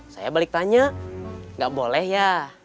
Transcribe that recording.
saya balik tanya nggak boleh ya